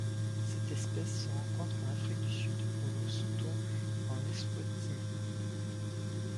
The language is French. Cette espèce se rencontre en Afrique du Sud, au Lesotho et en Eswatini.